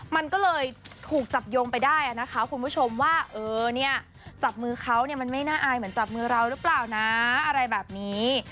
มันก็เลยถูกจับโยงไปได้นะคะคุณผู้ชมว่าเออเนี่ยจับมือเขาเนี่ยมันไม่น่าอายเหมือนจับมือเราหรือเปล่านะอะไรแบบนี้